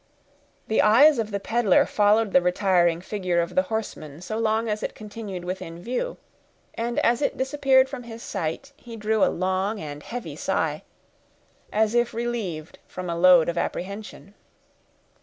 The eyes of the peddler followed the retiring figure of the horseman so long as it continued within view, and as it disappeared from his sight, he drew a long and heavy sigh, as if relieved from a load of apprehension.